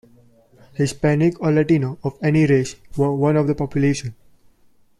Hispanic or Latino of any race were one of the population.